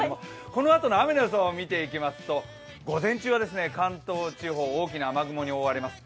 このあとの雨の予想を見ていきますと、午前中は関東地方大きな雨雲に覆われます。